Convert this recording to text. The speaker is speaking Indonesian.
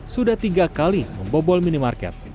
sudah tiga kali membobol minimarket